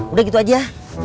udah gitu aja